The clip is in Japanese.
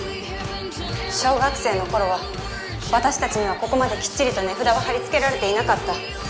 小学生の頃は私たちにはここまできっちりと値札は貼り付けられていなかった。